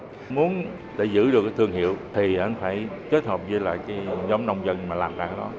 nếu muốn giữ được thương hiệu thì phải kết hợp với nhóm nông dân làm lại đó